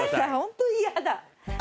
ホントに嫌だ。